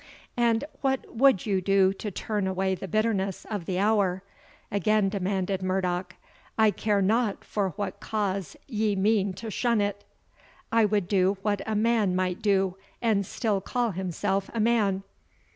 "And what would you do to turn away the bitterness of the hour?" again demanded Murdoch; "I care not for what cause ye mean to shun it." "I would do what a man might do, and still call himself a man."